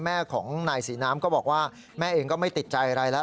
แม่ของนายศรีน้ำก็บอกว่าแม่เองก็ไม่ติดใจอะไรแล้ว